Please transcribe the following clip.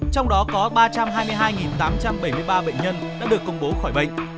trong đó có ba trăm hai mươi hai tám trăm bảy mươi ba bệnh nhân đã được công bố khỏi bệnh